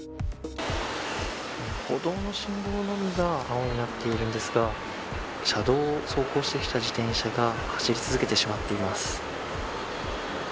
歩道の信号のみが青になっているんですが車道を走行してきた自転車が走り続けてしまっています。